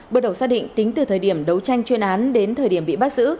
bước đầu xác định tính từ thời điểm đấu tranh chuyên án đến thời điểm bị bắt giữ